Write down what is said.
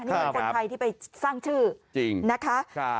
นี่เป็นคนไทยที่ไปสร้างชื่อจริงนะคะ